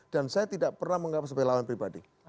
dan saya tidak pernah menggapai sebagai lawan pribadi